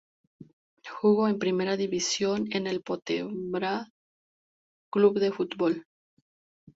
Jugó en Primera División en el Pontevedra Club de Fútbol.